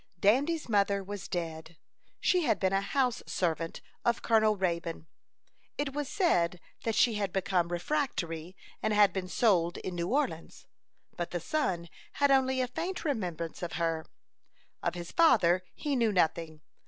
Dandy's mother was dead. She had been a house servant of Colonel Raybone. It was said that she had become refractory, and had been sold in New Orleans; but the son had only a faint remembrance of her. Of his father he knew nothing.